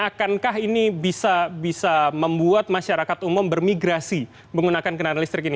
akankah ini bisa membuat masyarakat umum bermigrasi menggunakan kendaraan listrik ini